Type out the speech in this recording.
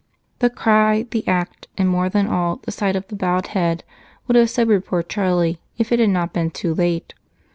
The cry, the act, and, more than all, the sight of the bowed head would have sobered poor Charlie if it had not been too late.